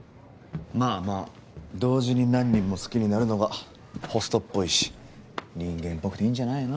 まあまあ同時に何人も好きになるのがホストっぽいし人間っぽくていいんじゃないの？